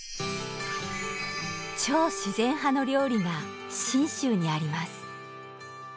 超自然派の料理が信州にあります。